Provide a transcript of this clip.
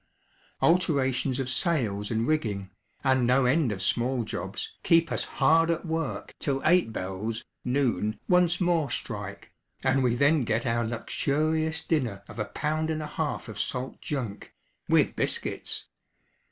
Alterations of sails and rigging, and no end of small jobs, keep us hard at work till eight bells (noon) once more strike, and we then get our luxurious dinner of a pound and a half of salt junk, with biscuits.